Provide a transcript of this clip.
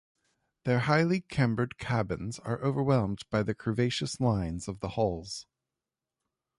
Their highly cambered cabins are overwhelmed by the curvaceous lines of the hulls.